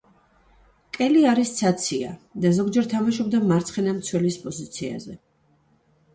კელი არის ცაცია და ზოგჯერ თამაშობდა მარცხენა მცველის პოზიციაზე.